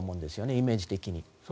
イメージ的に。